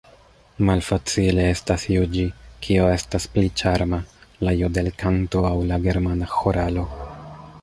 Malfacile estas juĝi, kio estas pli ĉarma, la jodelkanto aŭ la germana ĥoralo.